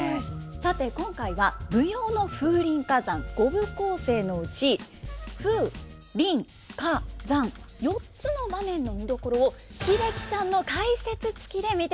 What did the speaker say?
さて今回は舞踊の「風林火山」５部構成のうち「風」「林」「火」「山」４つの場面の見どころを英樹さんの解説つきで見ていきます。